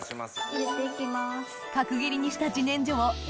入れて行きます。